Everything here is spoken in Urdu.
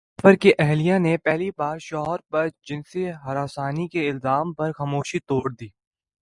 علی ظفر کی اہلیہ نے پہلی بار شوہر پرجنسی ہراسانی کے الزام پر خاموشی توڑ دی